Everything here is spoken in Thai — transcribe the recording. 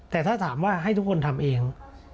แต่ถ้าถามว่าให้ทุกคนทำเอง